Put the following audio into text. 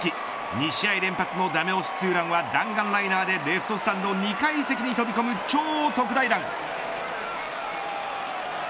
２試合連発のダメ押しツーランは弾丸ライナーでレフトスタンド２階席に飛び込む超特大弾。